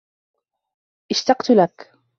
اشتقت لك.